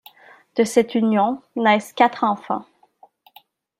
De cette union, naissent quatre enfants.